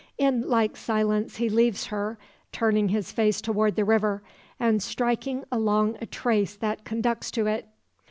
In like silence he leaves her, turning his face toward the river, and striking along a trace that conducts to it.